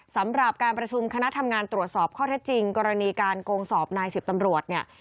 สำหรับการประชุมคณะทำงานตรวจสอบข้อเท็จจริงกรณีการโกงสอบนายสิบตำรวจเนี่ย